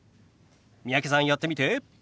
三宅さんやってみて。